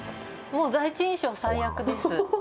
もう第一印象は最悪です。